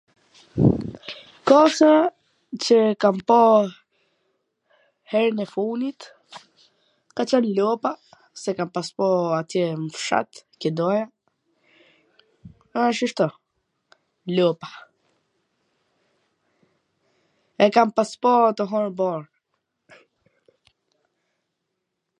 kafsha qw e kam pa herwn e funit ka qen lopa, se kam pas po atje n fshat, qw doja.... lopa, e kam pas pa tu hangwr bar.